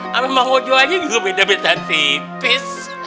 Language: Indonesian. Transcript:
sama mang ojo aja juga beda beda tipis